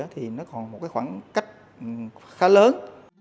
thì nó còn một khoảng cách khá lớn